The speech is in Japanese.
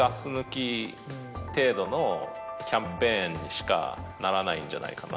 程度のキャンペーンにしかならないんじゃないかなと。